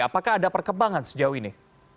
apakah ada perkembangan sejauh ini